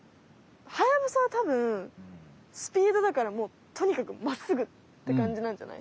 ハヤブサはたぶんスピードだからもうとにかくまっすぐって感じなんじゃない。